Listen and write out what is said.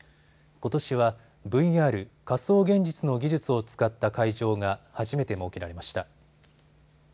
ことしはＶＲ・仮想現実の技術を使った会場が初めて設けられました。